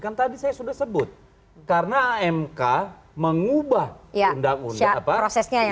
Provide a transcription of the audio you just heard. kan tadi saya sudah sebut karena amk mengubah undang undang ya prosesnya yang salah